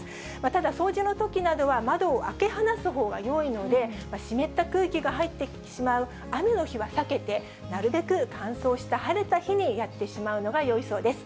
ただ、掃除のときなどは、窓を開け放すほうがよいので、湿った空気が入ってしまう雨の日は避けて、なるべく乾燥した晴れた日にやってしまうのがよいそうです。